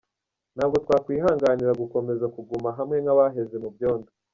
Ntabwo twakwihanganira gukomeza kuguma hamwe nk’abaheze mu byondo.